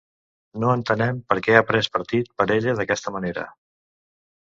No entenem per què ha pres partit per ella d’aquesta manera.